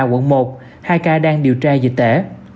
quận một hai ca đang điều tra dịch tễ